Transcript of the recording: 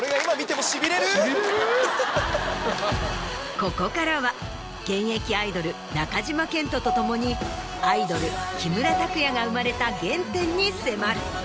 ここからは現役アイドル中島健人と共にアイドル木村拓哉が生まれた原点に迫る。